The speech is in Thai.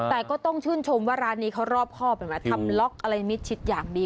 แต่ก็ต้องชื่นชมว่าร้านนี้เขารอบครอบเห็นไหมทำล็อกอะไรมิดชิดอย่างดี